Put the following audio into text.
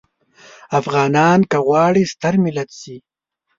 افغانان که غواړي ستر ملت شي.